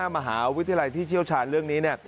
มหาวิทยาลัยที่เชี่ยวชาญเรื่องนี้